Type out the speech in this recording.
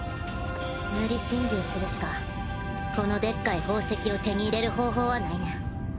無理心中するしかこのでっかい宝石を手に入れる方法はないねん。